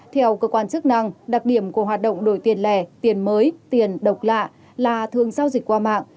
theo cơ quan chức năng đặc điểm của hoạt động đổi tiền lẻ tiền mới tiền độc lạ là thường giao dịch qua mạng